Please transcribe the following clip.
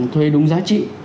thuê đúng giá trị